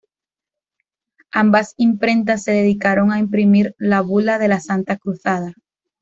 Ambas imprentas se dedicaron a imprimir la Bula de la santa Cruzada.